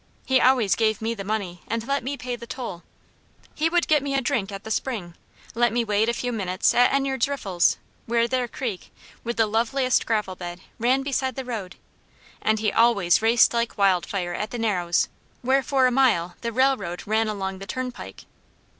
He always gave me the money and let me pay the toll. He would get me a drink at the spring, let me wade a few minutes at Enyard's riffles, where their creek, with the loveliest gravel bed, ran beside the road; and he always raced like wildfire at the narrows, where for a mile the railroad ran along the turnpike.